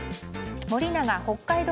森永北海道